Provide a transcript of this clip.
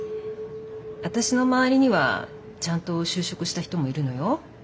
私の周りにはちゃんと就職した人もいるのよ。